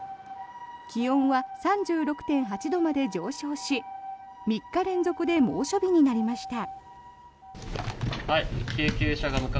気温は３６．８度まで上昇し３日連続で猛暑日になりました。